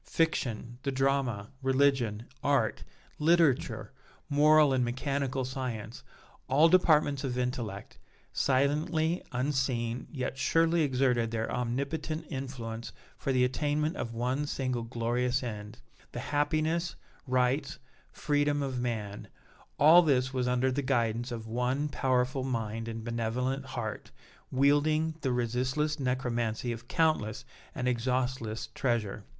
Fiction, the drama, religion, art, literature, moral and mechanical science all departments of intellect silently, unseen, yet surely exerted their omnipotent influence for the attainment of one single glorious end the happiness, rights, freedom of man; all this was under the guidance of one powerful mind and benevolent heart, wielding the resistless necromancy of countless and exhaustless treasure!